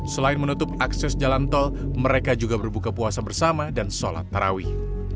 selain menutup akses jalan tol mereka juga berbuka puasa bersama dan sholat tarawih